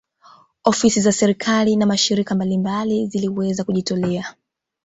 Ofisi za serikali na mashirika mbalimbali ziliweza kujitolea